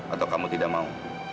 atau kamu tidak mau